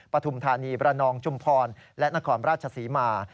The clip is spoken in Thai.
ปฐุมธานีบรนองจุมพรและนครราชสีมาร์